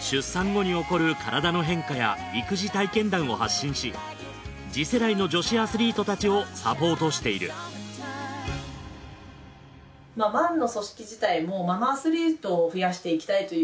出産後に起こる体の変化や育児体験談を発信し次世代の女子アスリートたちをサポートしているどちらかと言うと。